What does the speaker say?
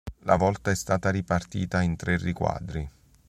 La volta è stata ripartita in tre riquadri.